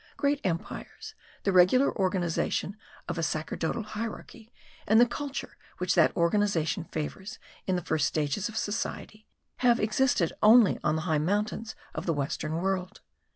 Great empires, the regular organization of a sacerdotal hierarchy, and the culture which that organization favours in the first ages of society, have existed only on the high mountains of the western world.